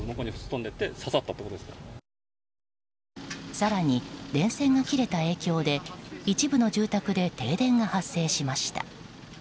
更に電線が切れた影響で一部の住宅で停電が発生しました。